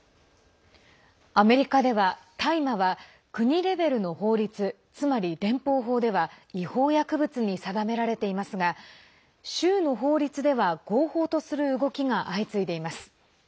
アメリカでは大麻は国レベルの法律つまり連邦法では違法薬物に定められていますが州の法律では合法とする動きが相次いでいます。